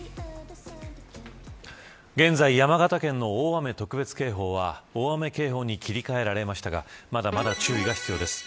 現在、山形県の大雨特別警報は大雨警報に切り替えられましたがまだまだ注意が必要です。